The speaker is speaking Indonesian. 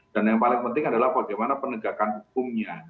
dan yang paling penting adalah bagaimana penegakan hukumnya